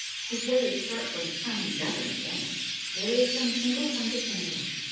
His waves start from some definite point. There is some single point of generation.